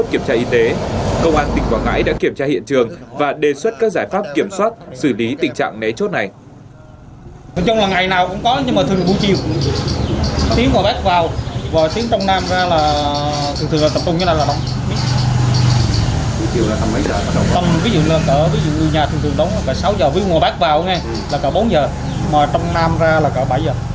thăm ví dụ như là thăm mấy giờ thường thường đóng là cả sáu h với bác vào ngay là cả bốn h mà trong nam ra là cả bảy h